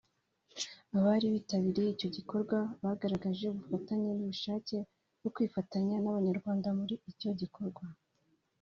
Abari bitabiriye icyo igikorwa bagaragaje ubufatanye n’ubushake bwo kwifatanya n’Abanyarwanda muri icyo gikorwa